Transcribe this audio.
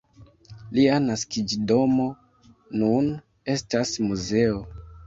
Lia naskiĝdomo nun estas muzeo.